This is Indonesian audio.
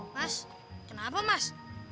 mas kenapa mas